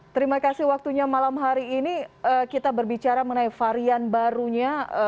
terima kasih waktunya malam hari ini kita berbicara mengenai varian barunya